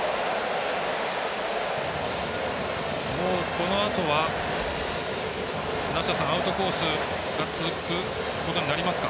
このあとは、梨田さんアウトコースが続くことになりますか？